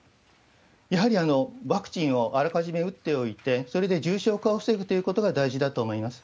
やはりワクチンをあらかじめ打っておいて、それで重症化を防ぐということが大事だと思います。